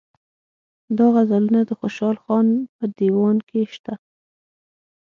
دا غزلونه د خوشحال خان په دېوان کې شته.